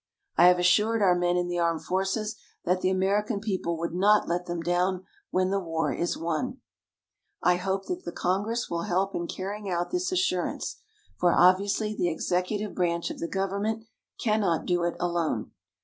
I have assured our men in the armed forces that the American people would not let them down when the war is won. I hope that the Congress will help in carrying out this assurance, for obviously the executive branch of the government cannot do it alone.